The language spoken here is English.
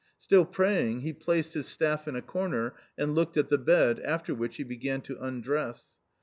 Still praying, he placed his staff in a corner and looked at the bed; after which he began to undress.